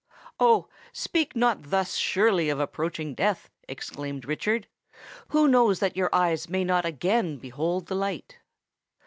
"Oh! speak not thus surely of approaching death," exclaimed Richard. "Who knows that your eyes may not again behold the light!"